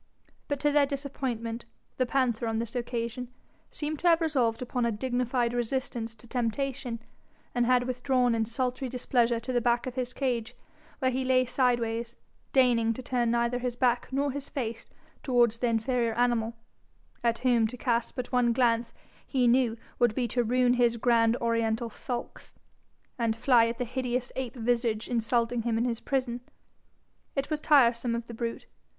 But to their disappointment, the panther on this occasion seemed to have resolved upon a dignified resistance to temptation, and had withdrawn in sultry displeasure to the back of his cage, where he lay sideways, deigning to turn neither his back nor his face towards the inferior animal, at whom to cast but one glance, he knew, would be to ruin his grand Oriental sulks, and fly at the hideous ape visage insulting him in his prison. It was tiresome of the brute.